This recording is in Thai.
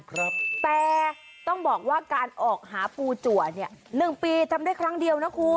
แต่ต้องบอกว่าการออกหาปูจัวเนี่ย๑ปีทำได้ครั้งเดียวนะคุณ